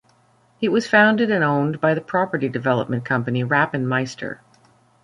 It was founded and owned by the property development company Rapp and Maister.